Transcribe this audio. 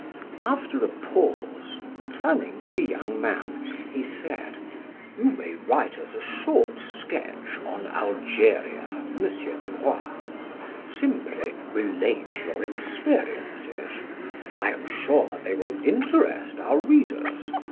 After a pause, turning to the young man, he said: "You may write us a short sketch on Algeria, M. Duroy. Simply relate your experiences; I am sure they will interest our readers.